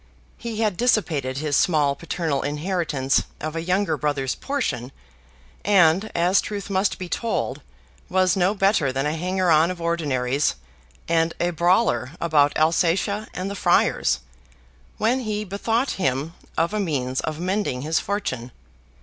He had dissipated his small paternal inheritance of a younger brother's portion, and, as truth must be told, was no better than a hanger on of ordinaries, and a brawler about Alsatia and the Friars, when he bethought him of a means of mending his fortune.